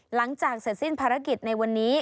หลังจากเสร็จสิ้นภารกิจในวันนี้